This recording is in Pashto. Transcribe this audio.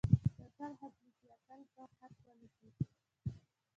اتل خط ليکي. اتل به خط وليکي.